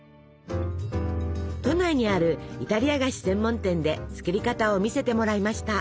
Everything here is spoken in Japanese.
都内にあるイタリア菓子専門店で作り方を見せてもらいました。